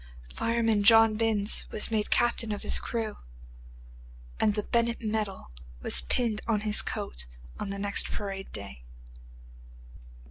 Fireman John Binns was made captain of his crew, and the Bennett medal was pinned on his coat on the next parade day.